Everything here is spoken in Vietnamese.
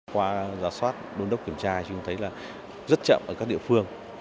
qua giả soát đôn đốc kiểm tra chúng thấy là rất chậm ở các địa phương